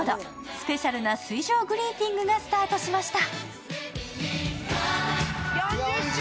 スペシャルな水上グリーティングがスタートしました。